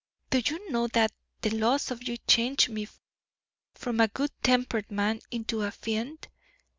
Do you know that the loss of you changed me from a good tempered man into a fiend?